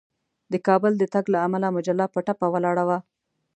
د کابل د تګ له امله مجله په ټپه ولاړه وه.